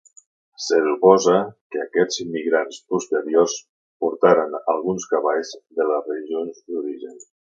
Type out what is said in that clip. Se suposa que aquests immigrants posteriors portaren alguns cavalls de les regions d’origen.